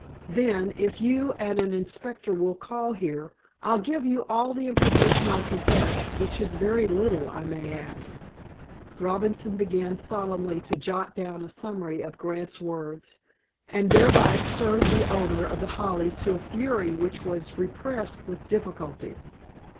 Then, if you and an inspector will call here, I'll give you all the information I possess, which is very little, I may add." Robinson began solemnly to jot down a summary of Grant's words, and thereby stirred the owner of The Hollies to a fury which was repressed with difficulty.